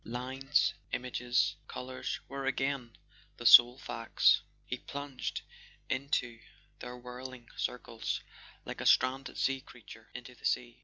Lines, images, colours were again the sole facts: he plunged into their whirling circles like a stranded sea creature into the sea.